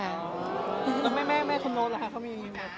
แล้วแม่คุณโน๊ตมีคำว่าอย่างงี้ไหมคะ